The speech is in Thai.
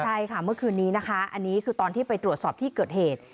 ใช่ค่ะเมื่อคืนนี้นะคะอันนี้คือตอนที่ไปตรวจสอบที่เกิดเหตุ